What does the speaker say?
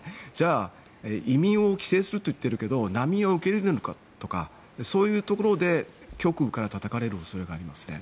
じゃあ、移民を規制すると言っているけれど難民は受け入れるのかとそういうところで極右からたたかれる恐れがあります。